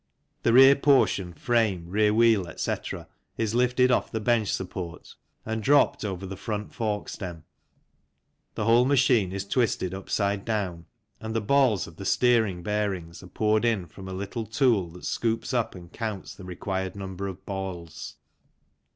The rear portion, frame, rear wheel, etc., is lifted off the bench support and dropped over the front fork stem, the whole machine is twisted upside down and the balls of the steering bearings are poured in from a little tool that scoops up and counts the required number of balls.